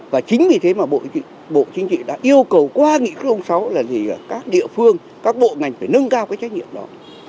và chính vì thế mà bộ chính trị đã yêu cầu qua nghị khuôn sáu là các địa phương các bộ ngành phải nâng cao cái trách nhiệm đó